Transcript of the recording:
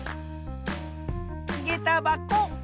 げたばこ。